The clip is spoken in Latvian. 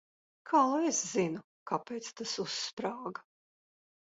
Kā lai es zinu, kāpēc tas uzsprāga?